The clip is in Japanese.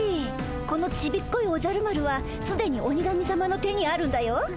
このちびっこいおじゃる丸はすでに鬼神さまの手にあるんだよ。